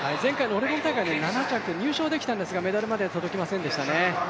前回のオレゴン大会、７着入賞できたんですが、メダルには届きませんでしたね。